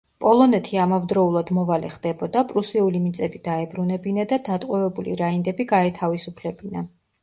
პოლონეთი ამავდროულად მოვალე ხდებოდა პრუსიული მიწები დაებრუნებინა და დატყვევებული რაინდები გაეთავისუფლებინა.